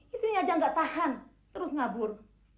istrinya aja gak tahan terus ngabur